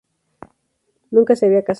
Nunca se había casado.